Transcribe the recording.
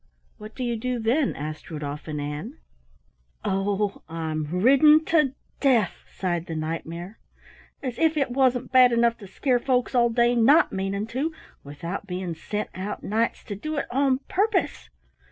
"What do you do then?" asked Rudolf and Ann. "Oh, I'm ridden to death," sighed the Knight mare. "As if it wasn't bad enough to scare folks all day not meaning to, without being sent out nights to do it on purpose!"